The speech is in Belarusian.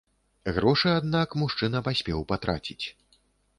Грошы, аднак, мужчына паспеў патраціць.